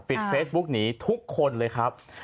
เฟซบุ๊กหนีทุกคนเลยครับ